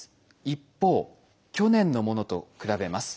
一方去年のものと比べます。